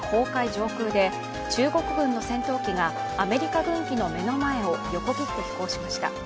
上空で中国軍の戦闘機がアメリカ軍機の目の前を横切って飛行しました。